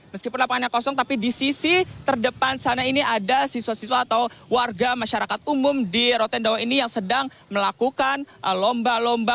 meskipun lapangannya kosong tapi di sisi terdepan sana ini ada siswa siswa atau warga masyarakat umum di rotendo ini yang sedang melakukan lomba lomba